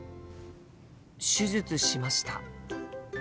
手術しました。